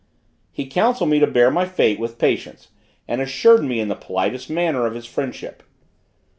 He counselled me to bear my fate with patience, and assured me, in the politest manner, of his friendship.